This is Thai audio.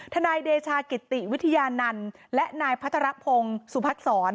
นายเดชากิติวิทยานันต์และนายพัทรพงศ์สุพักษร